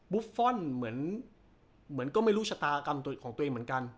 บุฟฟ่อนเหมือนก็ไม่รู้ชะตากรรมของตัวเองเหมือนกัน